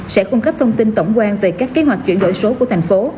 sẽ cung cấp thông tin tổng quan về các kế hoạch chuyển đổi số của thành phố